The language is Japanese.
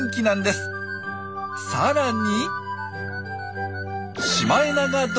さらに。